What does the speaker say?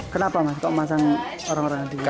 kenapa mas kok masang orang orang di depan rumah